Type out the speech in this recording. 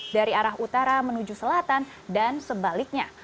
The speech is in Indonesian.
dari arah utara menuju selatan dan sebaliknya